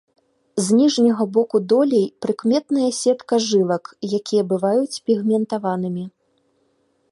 З ніжняга боку долей прыкметная сетка жылак, якія бываюць пігментаванымі.